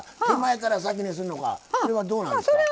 手前から先にするのかこれはどうなんですか？